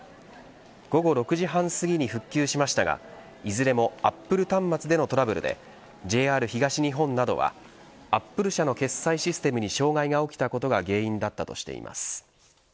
午後６時半すぎに復旧しましたがいずれもアップル端末でのトラブルでＪＲ東日本などはアップル社の決済システムに障害が起きたことが原因だったとしています。